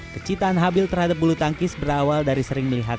kecitaan habil terhadap bulu tangkis berawal dari sering melihat